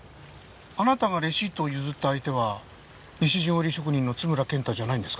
あなたがレシートを譲った相手は西陣織職人の津村健太じゃないんですか？